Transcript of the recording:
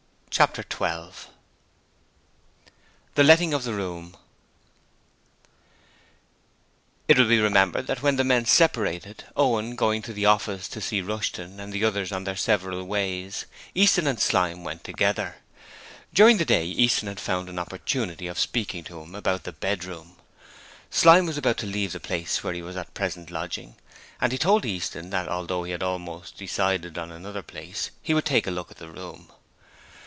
Chapter 12 The Letting of the Room It will be remembered that when the men separated, Owen going to the office to see Rushton, and the others on their several ways, Easton and Slyme went together. During the day Easton had found an opportunity of speaking to him about the bedroom. Slyme was about to leave the place where he was at present lodging, and he told Easton that although he had almost decided on another place he would take a look at the room.